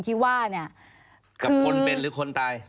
ที่ว่าเนี่ย